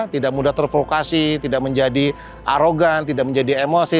tidak mudah terprovokasi tidak menjadi arogan tidak menjadi emosi